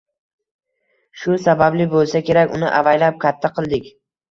Shu sababli bo`lsa kerak uni avaylab katta qildik